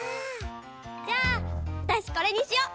じゃあわたしこれにしよ！